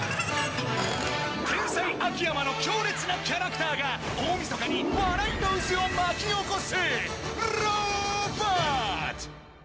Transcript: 天才秋山の強烈なキャラクターが、大晦日に笑いの渦を巻き起こす。